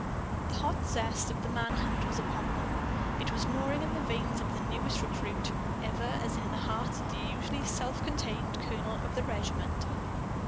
The hot zest of the man hunt was upon them. It was gnawing in the veins of the newest recruit, ever, as in the heart of the usually self contained colonel of the regiment.